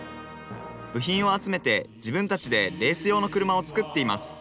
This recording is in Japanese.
部品を集めて自分たちでレース用の車をつくっています